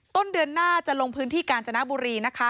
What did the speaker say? ต้นเดือนหน้าจะลงพื้นที่กาญจนบุรีนะคะ